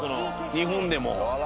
日本でも。